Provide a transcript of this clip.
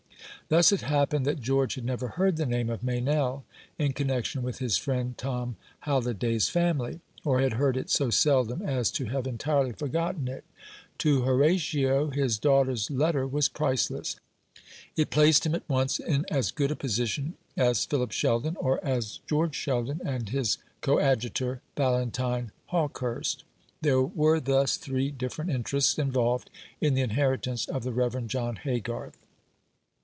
Thus it happened that George had never heard the name of Meynell in connection with his friend Tom Halliday's family, or had heard it so seldom as to have entirely forgotten it. To Horatio his daughter's letter was priceless. It placed him at once in as good a position as Philip Sheldon, or as George Sheldon and his coadjutor, Valentine Hawkehurst. There were thus three different interests involved in the inheritance of the Reverend John Haygarth.